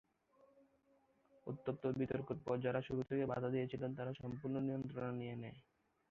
উত্তপ্ত বিতর্কের পর যারা শুরু থেকেই বাধা দিয়েছিল তারা সম্পূর্ণ নিয়ন্ত্রণ নিয়ে নেয়।